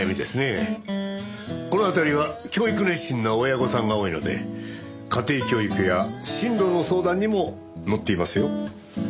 この辺りは教育熱心な親御さんが多いので家庭教育や進路の相談にも乗っていますよ。